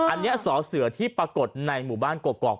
อันนี้สอเสือที่ปรากฏในหมู่บ้านกกอก